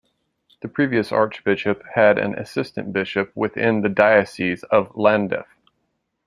The previous archbishop had an assistant bishop within the Diocese of Llandaff.